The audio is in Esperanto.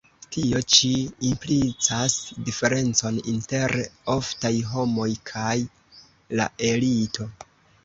Tio ĉi implicas diferencon inter oftaj homoj kaj la elito.